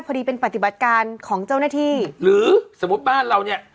พอดีเป็นปฏิบัติการของเจ้าหน้าที่หรือสมมุติบ้านเราเนี้ย